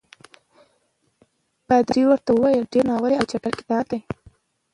پادري ورته وویل ډېر ناولی او چټل کتاب دی.